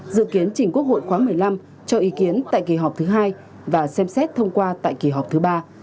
dự kiến chỉnh quốc hội khóa một mươi năm cho ý kiến tại kỳ họp thứ hai và xem xét thông qua tại kỳ họp thứ ba